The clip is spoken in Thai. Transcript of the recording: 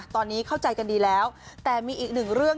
ตอนนี้เข้าใจกันดีแล้วแต่มีอีกหนึ่งเรื่อง